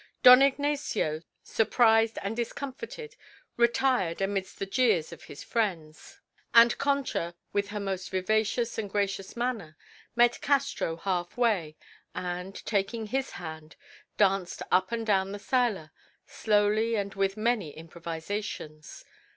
Don Ignacio, surprised and discomfited, retired amidst the jeers of his friends, and Concha, with her most vivacious and gracious manner, met Castro half way, and, taking his hand, danced up and down the sala, slowly and with many improvisations.